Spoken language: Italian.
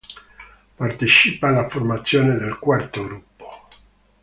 Partecipa alla formazione del “Quarto gruppo”.